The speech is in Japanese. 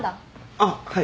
あっはい。